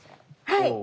はい。